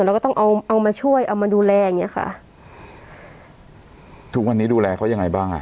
เราก็ต้องเอาเอามาช่วยเอามาดูแลอย่างเงี้ยค่ะทุกวันนี้ดูแลเขายังไงบ้างอ่ะ